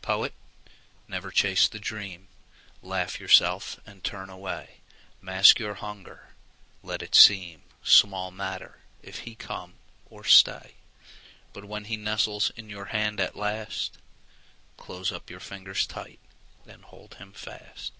Poet, never chase the dream. Laugh yourself and turn away. Mask your hunger; let it seem Small matter if he come or stay; But when he nestles in your hand at last, Close up your fingers tight and hold him fast.